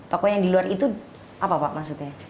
tokoh yang di luar itu apa pak maksudnya